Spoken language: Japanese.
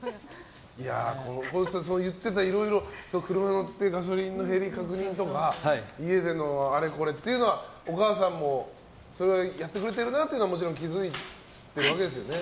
言ってたいろいろ車乗ってガソリンの減りを確認とか家でのあれこれというのはお母さんも、それはやってくれていることはもちろん気づいてるわけですよね。